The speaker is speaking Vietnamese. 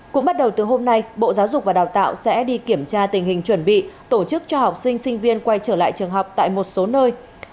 cũng bắt đầu từ hôm nay bộ giáo dục và đào tạo sẽ đi kiểm tra tình hình chuẩn bị tổ chức cho học sinh sinh viên quay trở lại trường học tại một số nơi